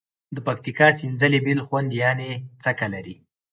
د پکتیکا سینځلي بیل خوند یعني څکه لري.